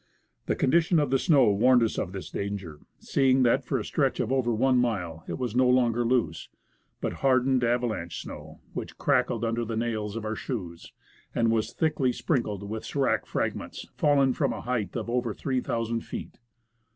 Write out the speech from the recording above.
The condition of the snow warned us of this danger, seeing that for a stretch of over one mile it was no longer loose, but hardened avalanche snow, which crackled under the nails of our shoes, and was thickly sprinkled with s^rac frag ments fallen from a height of over 3,000 feet.